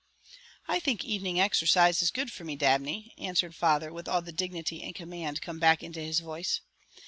"I think evening exercise is good for me, Dabney," answered father with all the dignity and command come back into his voice.